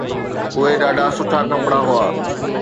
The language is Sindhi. اهي ڏاڍا سٺا ڪپڙا هئا.